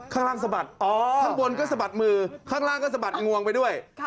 ข้างล่างสะบัดข้างบนก็สะบัดมือข้างล่างก็สะบัดงวงไปด้วย